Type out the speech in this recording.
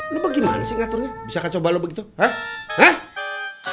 lu bagaimana sih ngaturnya bisa kacau balo begitu hah hah